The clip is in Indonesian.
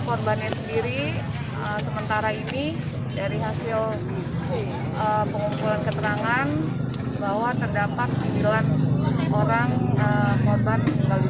korbannya sendiri sementara ini dari hasil pengumpulan keterangan bahwa terdapat sembilan orang korban